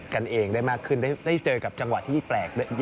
กันเองได้มากขึ้นได้เจอกับจังหวะที่แปลก